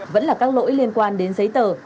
vẫn là các lỗi liên quan đến giấy tờ